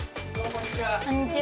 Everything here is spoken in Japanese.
こんにちは。